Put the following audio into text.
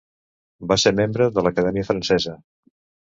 Va ser membre de l'Acadèmia francesa.